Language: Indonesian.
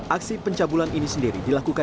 aksi pencabulan ini sendiri dilakukan